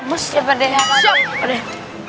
masjid pak d ya pak d